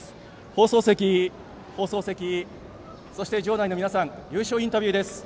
放送席、そして場内の皆さん優勝インタビューです。